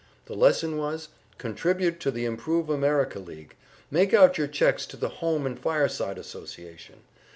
The lesson was "Contribute to the Improve America League. Make out your checks to the Home and Fireside Association.